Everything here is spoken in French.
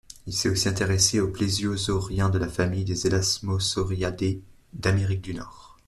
Il s'est aussi intéressé aux plésiosauriens de la famille des Elasmosauridae d'Amérique du Nord.